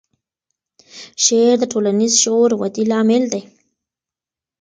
شعر د ټولنیز شعور ودې لامل دی.